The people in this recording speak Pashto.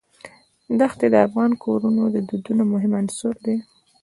دښتې د افغان کورنیو د دودونو مهم عنصر دی.